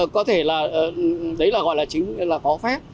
có thể là đấy là gọi là chính là có phép